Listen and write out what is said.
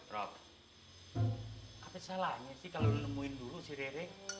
rob apa salahnya sih kalo lu nemuin dulu si rere